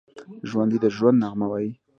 ژوندي د ژوند نغمه وايي